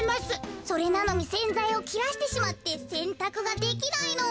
それなのにせんざいをきらしてしまってせんたくができないの。